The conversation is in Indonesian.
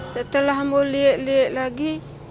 setelah ampun liek liek lagi